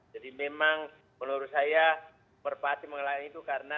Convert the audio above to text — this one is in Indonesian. jadi memang menurut saya merpati mengelaknya itu karena